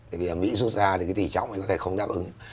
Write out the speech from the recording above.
tại vì ở mỹ rút ra thì cái tỷ trọng ấy có thể không đáp ứng